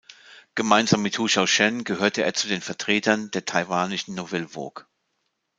Gemeinsam mit Hou Hsiao-Hsien gehörte er zu den Vertretern der taiwanischen Nouvelle Vague.